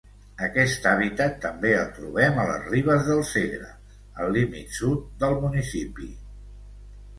Aquest hàbitat també el trobem a les ribes del Segre, al límit sud del municipi.